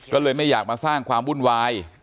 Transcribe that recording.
ก็เลยไม่อยากมาสร้างความวุ่นวาย